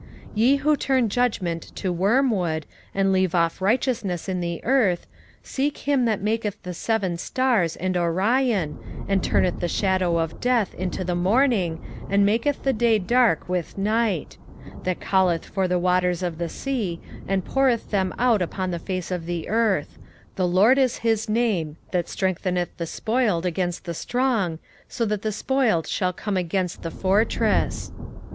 5:7 Ye who turn judgment to wormwood, and leave off righteousness in the earth, 5:8 Seek him that maketh the seven stars and Orion, and turneth the shadow of death into the morning, and maketh the day dark with night: that calleth for the waters of the sea, and poureth them out upon the face of the earth: The LORD is his name: 5:9 That strengtheneth the spoiled against the strong, so that the spoiled shall come against the fortress.